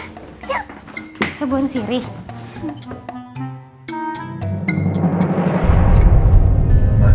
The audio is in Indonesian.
tadi waktu aku sama andin ninggalin mama di mobil